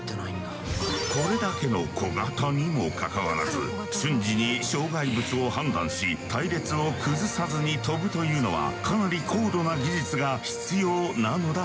これだけの小型にもかかわらず瞬時に障害物を判断し隊列を崩さずに飛ぶというのはかなり高度な技術が必要なのだそう。